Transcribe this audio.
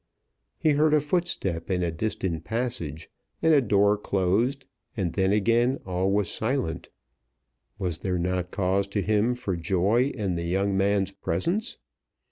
He heard a footstep in a distant passage, and a door closed, and then again all was silent. Was there not cause to him for joy in the young man's presence?